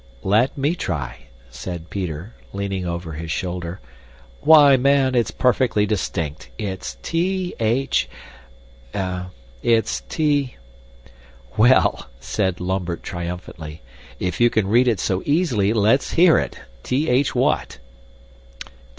"Let me try," said Peter, leaning over his shoulder. "Why, man, it's perfectly distinct. It's T H it's T " "Well!" exclaimed Lambert triumphantly, "if you can read it so easily, let's hear it, T H, what?"